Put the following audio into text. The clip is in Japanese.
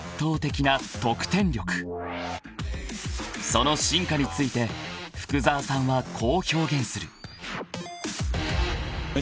［その進化について福澤さんはこう表現する］